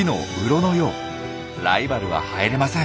ライバルは入れません。